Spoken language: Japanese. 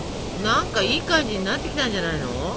なんかいい感じになってきたんじゃないの？